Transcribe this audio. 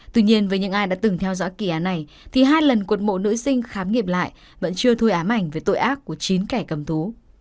tuy nhiên với những ai đã từng theo dõi kỳ án này thì hai lần cột mộ nữ sinh khám nghiệp lại vẫn chưa thôi ám ảnh về tội ác của chín kẻ cầm thú